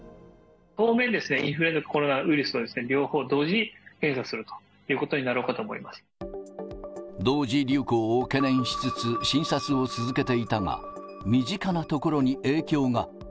当面、インフルエンザとコロナ、両方同時に検査するということになろう同時流行を懸念しつつ、診察を続けていたが、身近なところに影響が。